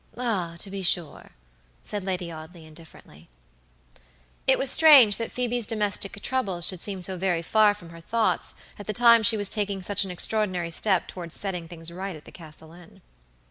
"Ah, to be sure," said Lady Audley, indifferently. It was strange that Phoebe's domestic troubles should seem so very far away from her thoughts at the time she was taking such an extraordinary step toward setting things right at the Castle Inn.